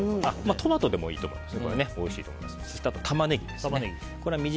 トマトでもいいと思います。